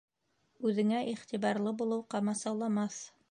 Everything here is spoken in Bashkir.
Үҙеңә иғтибарлы булыу ҡамасауламаҫ